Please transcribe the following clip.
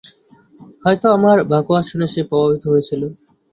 হয়ত আমার বাকোয়াজ শুনে সে প্রভাবিত হয়েছিল।